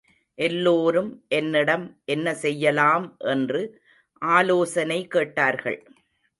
எல்லோரும் என்னிடம் என்ன செய்யலாம் என்று ஆலோசனை கேட்டார்கள்.